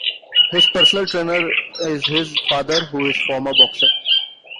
His personal trainer is his father, who is a former boxer.